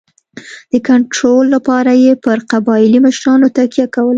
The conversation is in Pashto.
د کنټرول لپاره یې پر قبایلي مشرانو تکیه کوله.